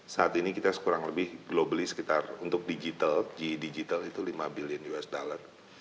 saat ini kita sekurang lebih globally sekitar untuk digital ge digital itu lima billion us dollar